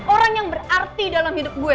orang yang berarti dalam hidup gue